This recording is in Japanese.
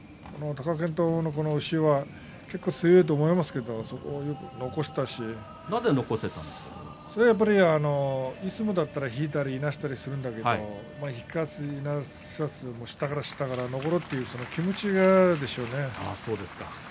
貴健斗の押しは結構、強いと思いますけどそこを残しましたしやっぱりいつもだったら引いたりいなしたりするんですけど引かずに下から下からいくという気持ちでしょうね。